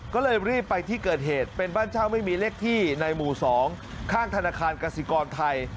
ก็เลยรีบไปที่เกิดเหตุเป็นบ้านเช่าไม่มีเลขที่ในหมู่๒ข้างธนาคารกสิกรไทย